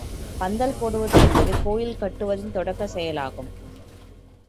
பந்தல் போடுவது என்பது, கோயில் கட்டுவதின் தொடக்கச் செயலாகும்.